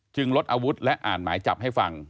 ลดอาวุธและอ่านหมายจับให้ฟัง